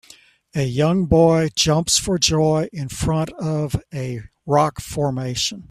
A young boy jumps for joy in front of a rock formation